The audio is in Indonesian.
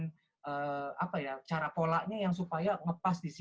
dan itu memang ada sentuhan cara polanya yang supaya ngepas di sini